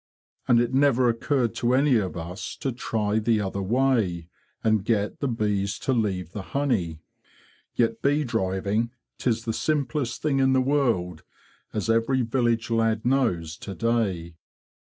And it never occurred to any of us to try the other way, and get the bees to leave the honey. Yet bee driving, 'tis the simplest thing in the world, as every village lad knows to day."